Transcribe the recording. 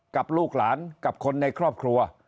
กับลูกหลานกับคนในครอบครัว